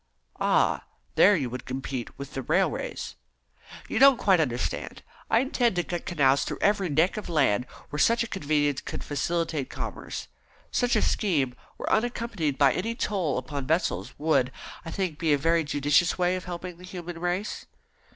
"Ah, there you would compete with the railways." "You don't quite understand. I intend to cut canals through every neck of land where such a convenience would facilitate commerce. Such a scheme, when unaccompanied by any toll upon vessels, would, I think, be a very judicious way of helping the human race."